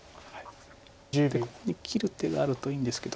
でここに切る手があるといいんですけど。